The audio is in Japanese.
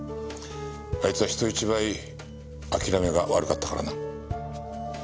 あいつは人一倍諦めが悪かったからな。